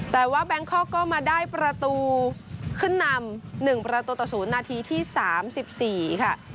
แต่ว่าแบงคอกก็มาได้ประตูขึ้นนำ๑ประตูต่อ๐นาทีที่๓๔ค่ะ